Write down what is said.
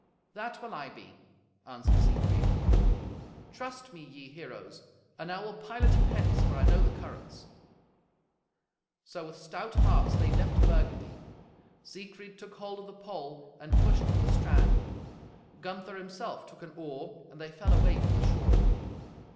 "That will I be," answered Siegfried. "Trust me, ye heroes, and I will pilot you hence, for I know the currents." So with stout hearts they left Burgundy. Siegfried took hold of the pole and pushed from the strand. Gunther himself took an oar, and they fell away from the shore.